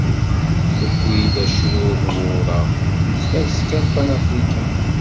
Tewwi-d acrur n wuraɣ deg tfaska n Panafrican.